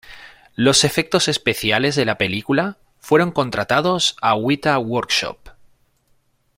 Los efectos especiales de la película fueron contratados a Weta Workshop.